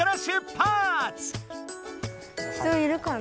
人いるかな？